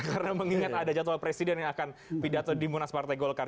karena mengingat ada jadwal presiden yang akan pidato di munas partai golkar